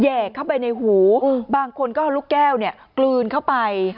แยกเข้าไปในหูบางคนก็ลูกแก้วกลืนเข้าไป